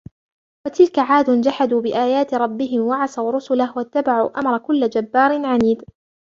وتلك عاد جحدوا بآيات ربهم وعصوا رسله واتبعوا أمر كل جبار عنيد